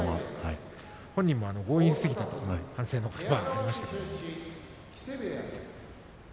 本人も強引すぎたと反省のことばがありました。